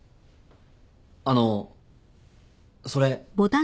あのそれ。